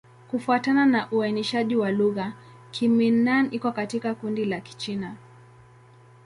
Kufuatana na uainishaji wa lugha, Kimin-Nan iko katika kundi la Kichina.